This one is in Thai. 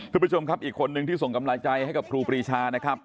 คุณผู้ชมครับอีกคนนึงที่ส่งกำลังใจให้กับครูปรีชานะครับ